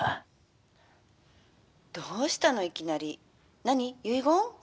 「どうしたのいきなり。何遺言？」。